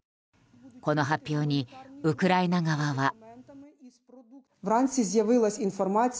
この発表に、ウクライナ側は。